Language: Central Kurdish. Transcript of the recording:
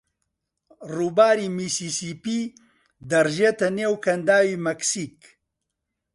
ڕووباری میسیسیپی دەڕژێتە نێو کەنداوی مەکسیک.